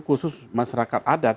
khusus masyarakat adat